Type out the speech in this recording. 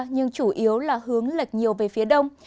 nhưng chủ yếu là hướng lệch nhiều về phía đông